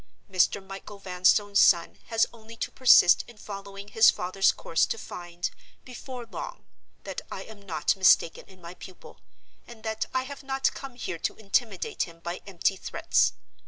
Mr. Michael Vanstone's son has only to persist in following his father's course to find, before long, that I am not mistaken in my pupil, and that I have not come here to intimidate him by empty threats.